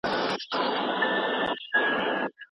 موږ باید د خلکو ترمنځ نفاق ورک کړو.